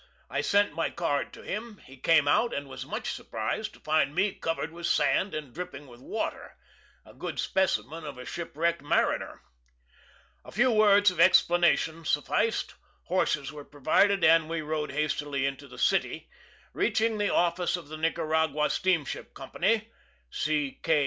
I sent my card to him; he came out, and was much surprised to find me covered with sand, and dripping with water, a good specimen of a shipwrecked mariner. A few words of explanation sufficed; horses were provided, and we rode hastily into the city, reaching the office of the Nicaragua Steamship Company (C. K.